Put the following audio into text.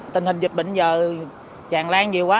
tình hình dịch bệnh giờ tràn lan nhiều quá